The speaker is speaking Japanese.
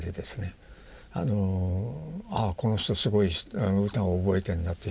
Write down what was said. ああこの人すごい歌覚えてんだという。